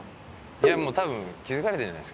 いやもうたぶん気付かれてんじゃないですか？